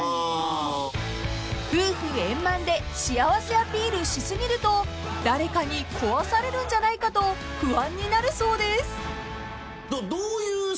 ［夫婦円満で幸せアピールし過ぎると誰かに壊されるんじゃないかと不安になるそうです］